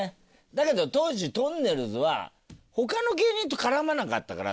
だけど当時とんねるずは他の芸人と絡まなかったから前半全くね。